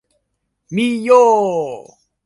mi jo!